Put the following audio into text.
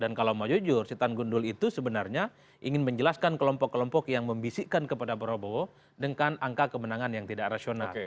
dan kalau mau jujur setoran gundul itu sebenarnya ingin menjelaskan kelompok kelompok yang membisikkan kepada prabowo dengan angka kemenangan yang tidak rasional